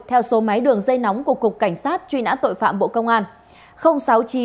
theo số máy đường dây nóng của cục cảnh sát truy nã tội phạm bộ công an